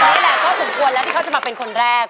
นี่แหละก็สมควรแล้วที่เขาจะมาเป็นคนแรก